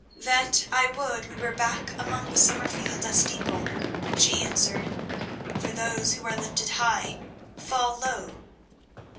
"That I would we were back among the summer fields at Steeple," she answered, "for those who are lifted high fall low.